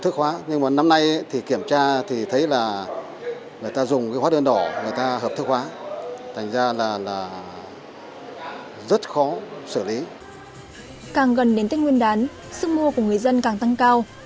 càng gần đến tết nguyên đán sức mua của người dân càng tăng cao